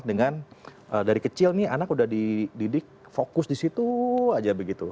dengan dari kecil nih anak udah dididik fokus di situ aja begitu